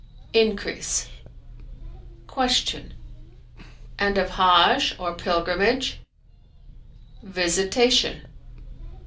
"Increase. Q "And of Hajj or pilgrimage?" "Visitation."